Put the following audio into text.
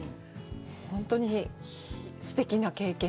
本当にすてきな経験。